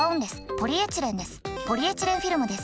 ポリエチレンフィルムです。